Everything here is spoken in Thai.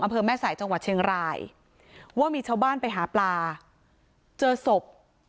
อำเภอแม่สายจังหวัดเชียงรายว่ามีชาวบ้านไปหาปลาเจอศพ